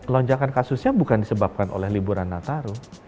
lonjakan kasusnya bukan disebabkan oleh liburan nataru